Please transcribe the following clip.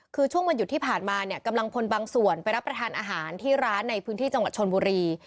คือช่วงวันหยุดที่ผ่านมาเนี่ยกำลังพลบางส่วนไปรับประทานอาหารที่ร้านในพื้นที่จังหวัดชนบุรี